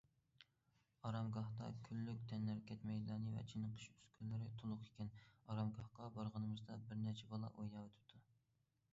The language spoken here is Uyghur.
ئارامگاھتا گۈللۈك، تەنھەرىكەت مەيدانى ۋە چېنىقىش ئۈسكۈنىلىرى تولۇق ئىكەن، ئارامگاھقا بارغىنىمدا بىرنەچچە بالا ئويناۋېتىپتۇ.